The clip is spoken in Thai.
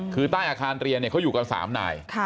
คือใต้อาคารเรียนเขาอยู่กัน๓นาย